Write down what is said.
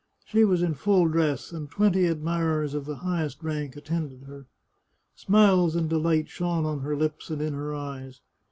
She was in full dress, and twenty admirers of the highest rank attended her. Smiles and delight shone on her lips and in her eyes.